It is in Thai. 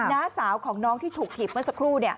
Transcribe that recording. น้าสาวของน้องที่ถูกถีบเมื่อสักครู่